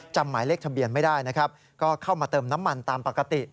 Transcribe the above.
หมายเลขทะเบียนไม่ได้นะครับก็เข้ามาเติมน้ำมันตามปกติ